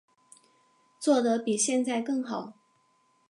做得比现在更好